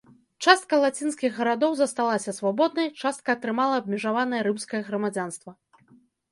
Частка лацінскіх гарадоў засталася свабоднай, частка атрымала абмежаванае рымскае грамадзянства.